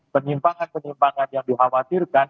penyimpangan penyimpangan yang dikhawatirkan